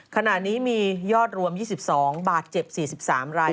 ขณะนี้มียอดรวม๒๒บาทเจ็บ๔๓ราย